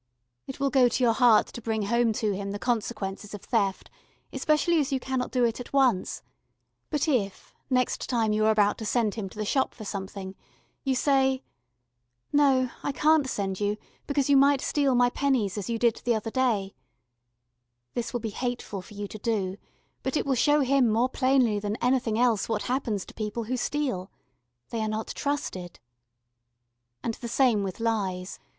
It will go to your heart to bring home to him the consequences of theft, especially as you cannot do it at once; but if, next time you are about to send him to the shop for something, you say, "No: I can't send you because you might steal my pennies as you did the other day" this will be hateful for you to do but it will show him more plainly than anything else what happens to people who steal. They are not trusted. And the same with lies.